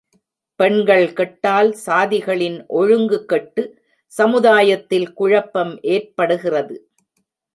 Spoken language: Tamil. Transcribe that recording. பெண்கள் கெட்டால், சாதிகளின் ஒழுங்கு கெட்டு, சமுதாயத்தில் குழப்பம் ஏற்படுகிறது.